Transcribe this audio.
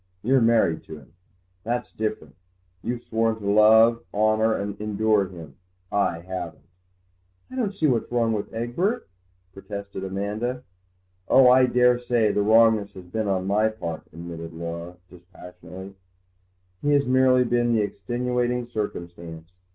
You're married to him—that's different; you've sworn to love, honour, and endure him: I haven't." "I don't see what's wrong with Egbert," protested Amanda. "Oh, I daresay the wrongness has been on my part," admitted Laura dispassionately; "he has merely been the extenuating circumstance.